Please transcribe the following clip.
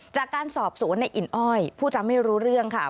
จากการสอบสวนในอินอ้อยผู้จำไม่รู้เรื่องค่ะ